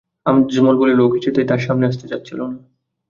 আজমল বলল, ও কিছুতেই তোর সামনে আসতে চাচ্ছিল না।